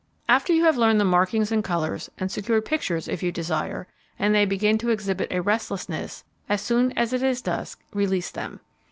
After you have learned the markings and colours, and secured pictures if you desire, and they begin to exhibit a restlessness, as soon as it is dusk, release them.